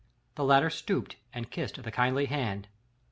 The latter stooped and kissed the kindly hand.